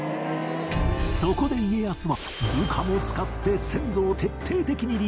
そこで家康は部下も使って先祖を徹底的にリサーチ